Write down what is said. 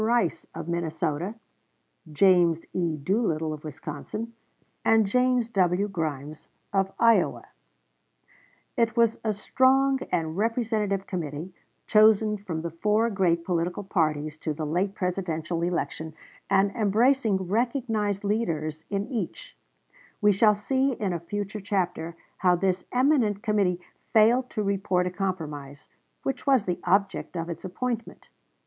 Rice, of Minnesota; James E. Doolittle, of Wisconsin, and James W. Grimes, of Iowa. It was a strong and representative committee, chosen from the four great political parties to the late Presidential election, and embracing recognized leaders in each, We shall see in a future chapter how this eminent committee failed to report a compromise, which was the object of its appointment.